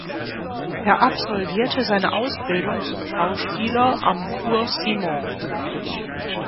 Er absolvierte seine Ausbildung zum Schauspieler am Cours Simon.